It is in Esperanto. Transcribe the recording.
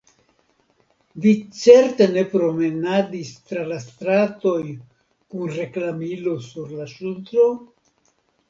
Vi certe ne promenadis tra la stratoj kun reklamilo sur la ŝultro?